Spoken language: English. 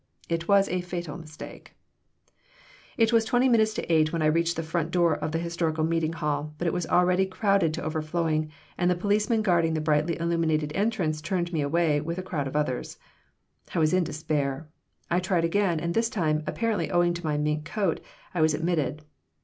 It was a fatal mistake It was twenty minutes to 8 when I reached the front door of the historical meeting hall, but it was already crowded to overflowing, and the policemen guarding the brightly illuminated entrance tumed me away with a crowd of others. I was in despair. I tried again, and this time, apparently owing to my mink coat, I was admitted.